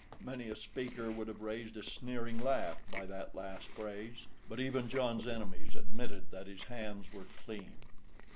Many a speaker would have raised a sneering laugh by that last phrase, but even John's enemies admitted that his hands were clean.